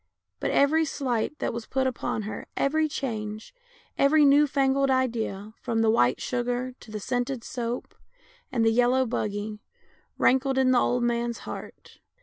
But every slight that was put upon her, every change, every new fangled idea, from the white sugar to the scented soap and the yellow buggy, rankled in the old man's heart.